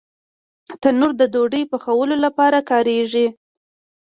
تنور د ډوډۍ پخولو لپاره کارېږي